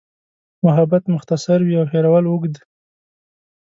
محبت مختصر وي او هېرول اوږد.